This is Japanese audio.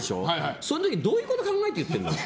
そういう時どういうこと考えて言ってるの？